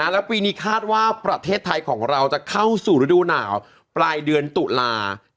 แล้วปีนี้คาดว่าประเทศไทยของเราจะเข้าสู่ฤดูหนาวปลายเดือนตุลา